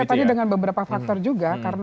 iya tadi dengan beberapa faktor juga